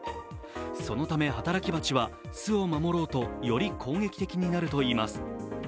そのため、働き蜂は巣を守ろうとより攻撃的になるといいます。